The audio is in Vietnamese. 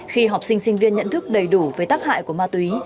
khi học sinh sinh viên nhận thức đầy đủ về tác hại của ma túy